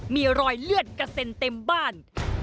มีรอยเลือดกระเซ็นเต็มบ้าน